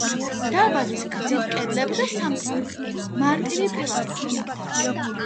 დარბაზის გრძივ კედლებზე სამ-სამი, მარტივი პილასტრია.